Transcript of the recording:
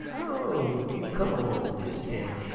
How you come on dis day?